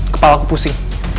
kepala aku pusing